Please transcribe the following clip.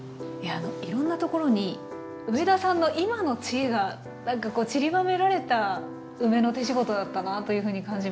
いろんなところに上田さんの今の知恵がちりばめられた梅の手仕事だったなというふうに感じました。